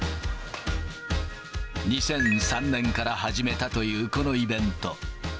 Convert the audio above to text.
２００３年から始めたというこのイベント。